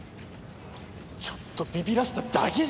ちょっとビビらせただけじゃねえか！